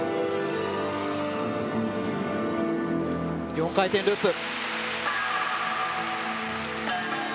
４回転ループ。